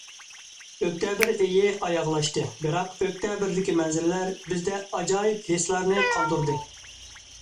ئۆكتەبىر ئېيى ئاياغلاشتى، بىراق ئۆكتەبىردىكى مەنزىرىلەر بىزدە ئاجايىپ ھېسلارنى قالدۇردى.